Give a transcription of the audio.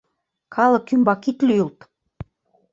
Калык ӱмбак ит лӱйылт!